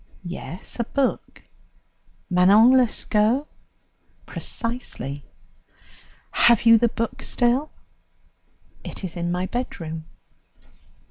"Yes, a book." "Manon Lescaut?" "Precisely." "Have you the book still?" "It is in my bedroom."